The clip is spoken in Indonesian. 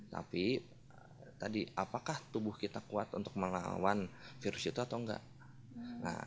tapi tadi apakah tubuh kita kuat untuk melawan virus itu atau enggak